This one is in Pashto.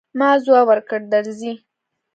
ما ځواب ورکړ، درځئ.